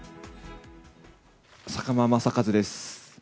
坂間正和です。